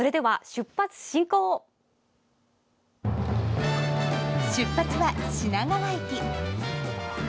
出発は品川駅。